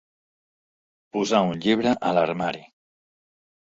Posar un llibre a l'armari.